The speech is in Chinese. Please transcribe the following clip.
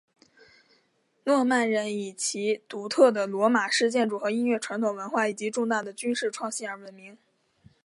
诺曼人以其独特的罗马式建筑和音乐传统文化以及重大的军事创新而闻名。